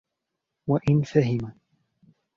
وَإِنْ فَهِمَ